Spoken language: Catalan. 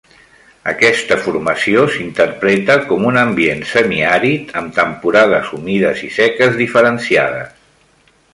Aquesta formació s'interpreta com un ambient semiàrid amb temporades humides i seques diferenciades.